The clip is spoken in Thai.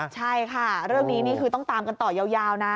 ใช่ค่ะเรื่องนี้นี่คือต้องตามกันต่อยาวนะ